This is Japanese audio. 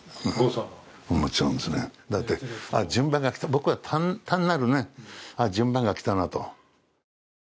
僕は単なる順番が来たなと。